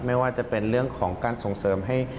ไม่ว่าจะเป็นเรื่องของการส่งเสริมให้